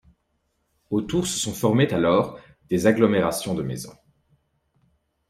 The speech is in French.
Autour se sont formés alors des agglomérations de maisons.